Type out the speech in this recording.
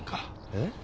えっ？